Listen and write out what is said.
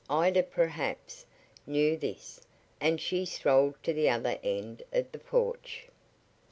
Ida, perhaps, knew this, and she strolled to the other end of the porch.